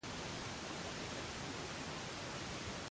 Hund y Van Sanders.